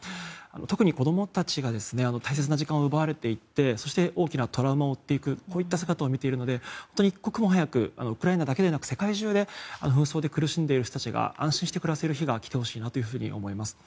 特に子供たちが大切な時間を奪われていって大きなトラウマを負っていくこういった姿を見ているので一刻も早くウクライナだけでなく世界中で紛争で苦しんでいる人たちが安心して暮らせる日がきてほしいなと思います。